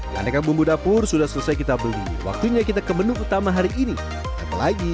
aneka bumbu dapur sudah selesai kita beli waktunya kita ke menu utama hari ini apalagi